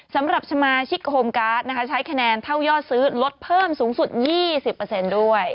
สำหรับสมาชิกโฮมการ์ดนะคะใช้คะแนนเท่ายอดซื้อลดเพิ่มสูงสุด๒๐ด้วย